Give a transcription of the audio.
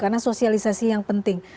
karena sosialisasi yang penting